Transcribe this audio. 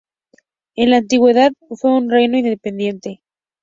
En la antigüedad fue un reino independiente.